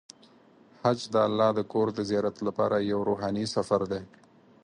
حج د الله د کور د زیارت لپاره یو روحاني سفر دی.